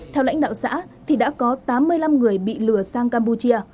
theo lãnh đạo xã thì đã có tám mươi năm người bị lừa sang campuchia